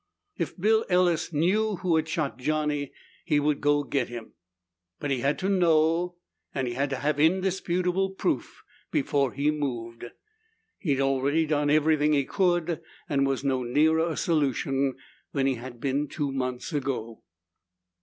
If Bill Ellis knew who had shot Johnny, he would go get him. But he had to know and had to have indisputable proof before he moved. He'd already done everything he could and was no nearer a solution than he had been two months ago.